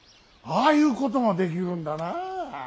ああいうこともできるんだな。